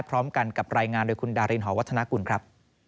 พร้อมกันกับรายงานโดยคุณดารินหอวัฒนากุลครับ